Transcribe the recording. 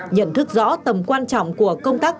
nhận thức rõ tầm quan trọng của công tác